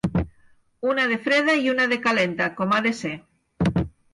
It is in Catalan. Una de freda i una de calenta, com ha de ser.